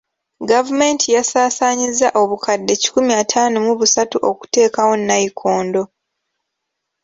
Gavumenti yasaasanyizza obukadde kikumi ataano mu busatu okuteekawo nnayikondo.